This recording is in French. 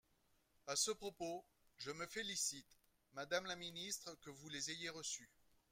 À ce propos, je me félicite, madame la ministre, que vous les ayez reçues.